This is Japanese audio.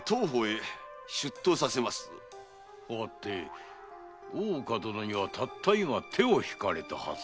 はて大岡殿にはたったいま手を引かれたはず。